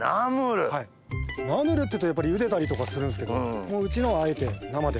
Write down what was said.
ナムルっていうとやっぱり茹でたりとかするんですけどうちのはあえて生で。